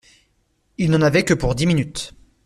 Il n’en avait que pour dix minutes.